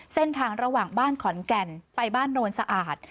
เส้นทางระหว่างบ้านขอนแก่นไปบ้านโนนสะอาด